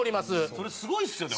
それすごいですよね！